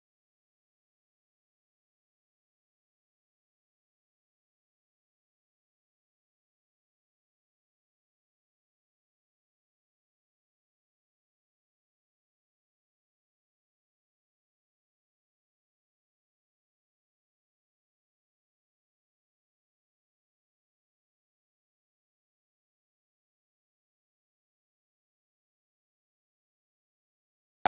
โปรดติดตามต่อไป